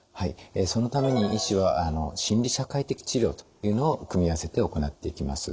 そのために医師は心理社会的治療というのを組み合わせて行っていきます。